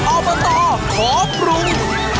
ออปเตอร์ขอบรุง